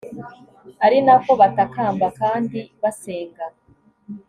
ari na ko batakamba kandi basenga